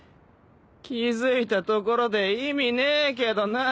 気付いたところで意味ねえけどなぁ。